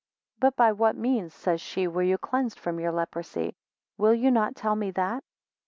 31 But by what means, says she, were you cleansed from your leprosy? Will not you tell me that?